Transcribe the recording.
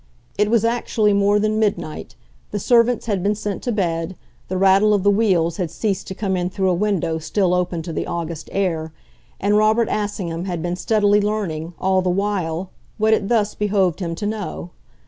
It was actually more than midnight, the servants had been sent to bed, the rattle of the wheels had ceased to come in through a window still open to the August air, and Robert Assingham had been steadily learning, all the while, what it thus behoved him to know.